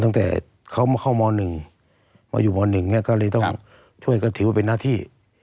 ตั้งแต่เขามาเข้าม๑มาอยู่ม๑ก็เลยต้องช่วยก็ถือว่าเป็นหน้าที่